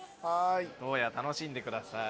伊東屋楽しんでください。